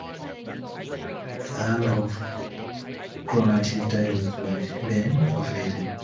The Earl of Cromartie's titles were then forfeited.